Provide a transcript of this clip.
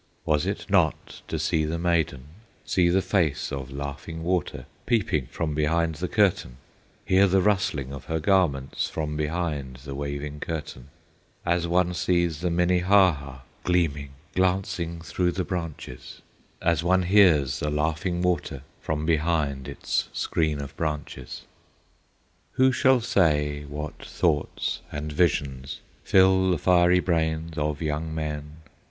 Was it not to see the maiden, See the face of Laughing Water Peeping from behind the curtain, Hear the rustling of her garments From behind the waving curtain, As one sees the Minnehaha Gleaming, glancing through the branches, As one hears the Laughing Water From behind its screen of branches? Who shall say what thoughts and visions Fill the fiery brains of young men?